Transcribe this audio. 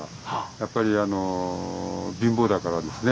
やっぱりあの貧乏だからですね